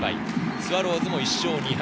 スワローズも１勝２敗。